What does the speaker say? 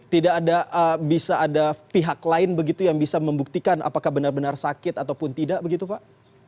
tidak ada bisa ada pihak lain begitu yang bisa membuktikan apakah benar benar sakit ataupun tidak begitu pak